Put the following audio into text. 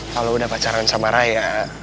kalo lo udah pacaran sama raya